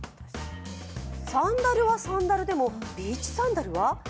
サンダルはサンダルでもビーチサンダルは？